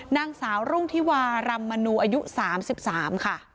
นางสาวรุ่งธิวารำมนูอายุ๓๓ค่ะ